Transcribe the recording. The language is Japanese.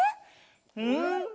うん！